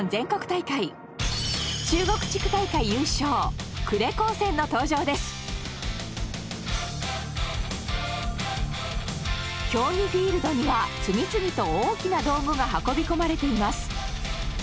中国地区大会優勝競技フィールドには次々と大きな道具が運び込まれています。